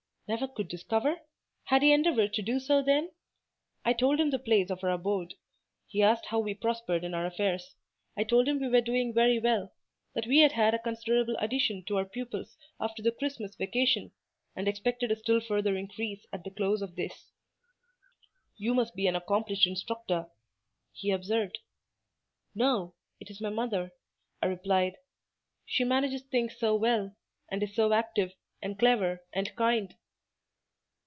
Never could discover? Had he endeavoured to do so then? I told him the place of our abode. He asked how we prospered in our affairs. I told him we were doing very well—that we had had a considerable addition to our pupils after the Christmas vacation, and expected a still further increase at the close of this. "You must be an accomplished instructor," he observed. "No, it is my mother," I replied; "she manages things so well, and is so active, and clever, and kind."